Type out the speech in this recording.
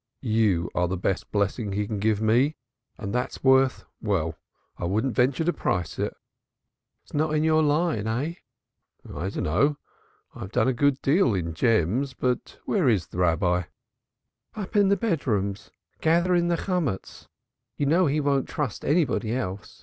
"You are the best blessing he can give me and that's worth well, I wouldn't venture to price it." "It's not your line, eh?" "I don't know, I have done a good deal in gems; but where is the Rabbi?" "Up in the bedrooms, gathering the Chomutz. You know he won't trust anybody else.